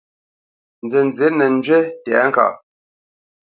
Nzənzí nə́ njywi tɛ̌ŋkaʼ.